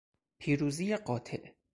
پیروزی قاطع